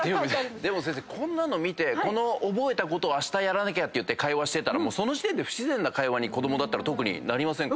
でもこんなの見て覚えたことあしたやらなきゃって会話してたらその時点で不自然な会話に子供だったら特になりませんか？